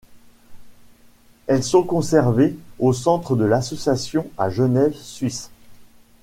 Elles sont conservées au centre de l'association à Genève, Suisse.